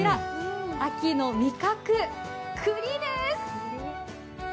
秋の味覚、くりです。